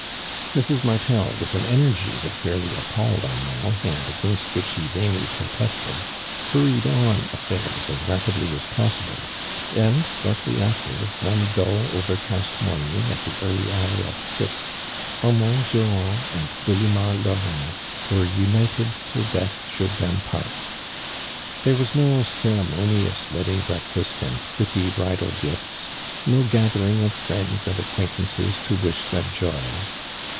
Mrs. Martel with an energy that fairly applied Armand and against which he vamly protested, hurried on affairs as rapid ly as possible, and shortly after, one dull overcast morning, at the early hour of six, Armand Durand and Delima Laurin were united till death should them part. There was no ceremonious wedding break fast and pretty bridal gifts — no nithering of friends and acquaintances to wish them Joy.